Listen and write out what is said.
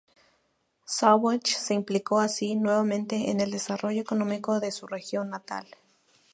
Sauvage se implicó así nuevamente en el desarrollo económico de su región natal.